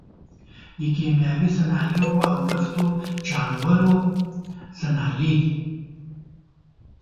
د کیمیاوي صنایعو او نفتو چاڼولو صنایع دي.